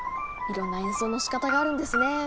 いろんな演奏のしかたがあるんですね。